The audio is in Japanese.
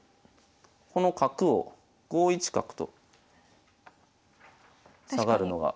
この角を５一角と下がるのが。